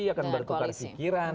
akan bertukar pikiran